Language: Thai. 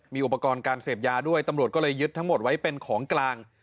มีอุปกรณ์การเสพยาด้วยตำรวจก็เลยยึดทั้งหมดไว้เป็นของกลาง